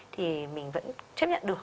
thì mình vẫn chấp nhận được